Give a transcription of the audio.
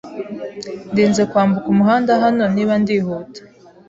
Ndinze kwambuka umuhanda hano niba ndihuta.